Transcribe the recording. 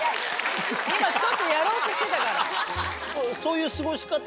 今ちょっとやろうとしてたから。